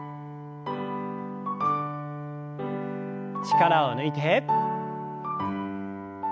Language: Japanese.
力を抜いて。